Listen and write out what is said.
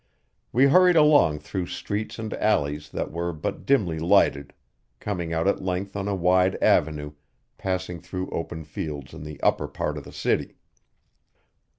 We hurried along through streets and alleys that were but dimly lighted, coming out at length on a wide avenue passing through open fields in the upper part of the city.